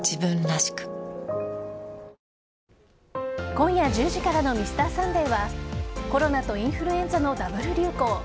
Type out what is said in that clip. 今夜１０時からの「Ｍｒ．サンデー」はコロナとインフルエンザのダブル流行。